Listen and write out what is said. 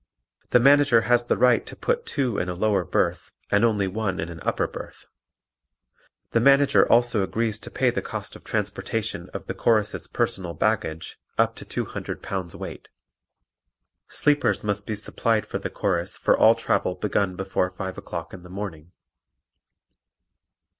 The Manager has the right to put two in a lower berth and only one in an upper berth. The Manager also agrees to pay the cost of transportation of the Chorus' personal baggage up to 200 pounds weight. Sleepers must be supplied for the Chorus for all travel begun before five o'clock in the morning.